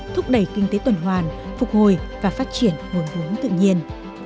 thúc đẩy kinh tế tuần hoàn phục hồi và phát triển nguồn vốn tự nhiên